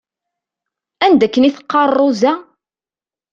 Anda akken i teqqaṛ Roza?